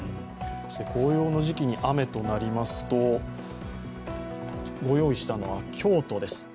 紅葉の時期に雨となりますと、ご用意したのは京都です。